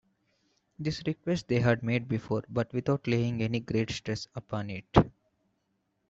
This request they had made before, but without laying any great stress upon it.